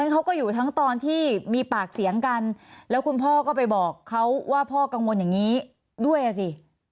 เขาก็อยู่ทั้งตอนที่มีปากเสียงกันแล้วคุณพ่อก็ไปบอกเขาว่าพ่อกังวลอย่างนี้ด้วยอ่ะสิ